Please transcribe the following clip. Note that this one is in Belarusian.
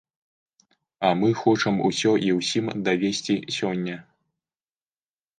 А мы хочам усё і ўсім давесці сёння!